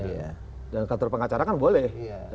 dan kantor pengacara kan boleh